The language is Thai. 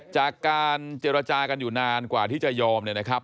จากการเจรจากันอยู่นานกว่าที่จะยอมเนี่ยนะครับ